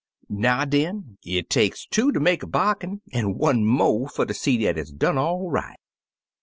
"Now, den, it takes two ter make a bar gain, an' one mo' fer ter see dat it's done all right.